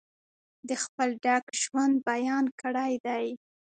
د خپل ډک ژوند بیان کړی دی.